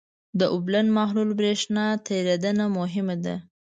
د اوبلن محلول برېښنا تیریدنه مهمه ده.